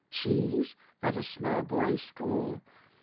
[Cheese at a small boys' school!